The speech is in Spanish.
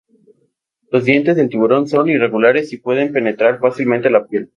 Los dientes del tiburón son irregulares y pueden penetrar fácilmente la piel.